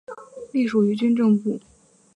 隶属于军政部。